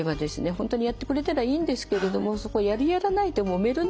本当にやってくれたらいいんですけれどもそこやるやらないでもめるのもですね